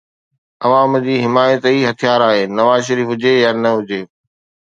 عوام جي حمايت ئي هٿيار آهي، نواز شريف هجي يا نه هجي